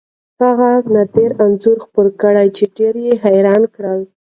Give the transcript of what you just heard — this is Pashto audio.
هغه نادره انځور خپور کړ چې ډېر حیران یې کړل.